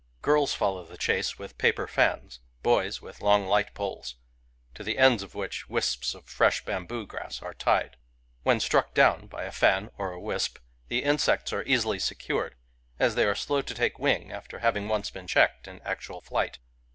Girls follow the chase with paper fans ; boys, with long light poles, to the ends of which wisps of fresh bamboo grass arc tied. When struck down by a fan or a^ wisp, the insects arc easily secured, as they are slow to take wing after having once been checked in actual flight.